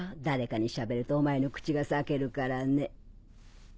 誰かにしゃべるとお前の口が裂けるからね。